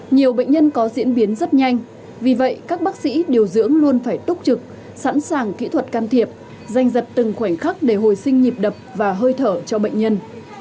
nhiều bệnh nhân có diễn biến rất nhanh vì vậy các bác sĩ điều dưỡng luôn phải túc trực sẵn sàng kỹ thuật can thiệp danh giật từng khoảnh khắc để hồi sinh nhịp đập và hơi thở cho bệnh nhân